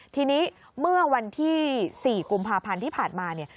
ทีนี้เมื่อวันที่๔กุมภาพันธ์ที่ผ่านมาเนี่ย